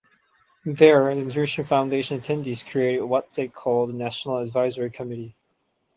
There, the Nutrition Foundation attendees created what they called the National Advisory Committee.